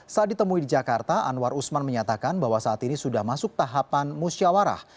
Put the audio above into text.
saat ditemui di jakarta anwar usman menyatakan bahwa saat ini sudah masuk tahapan musyawarah